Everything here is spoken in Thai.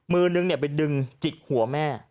มือนึงไปดึงจิกหัวแม่